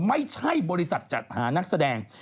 ไม่ใช่บริษัทจัดหานักแสดง